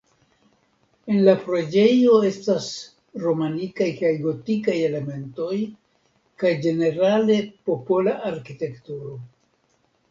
En la preĝejo estas romanikaj kaj gotikaj elementoj kaj ĝenerale popola arkitekturo.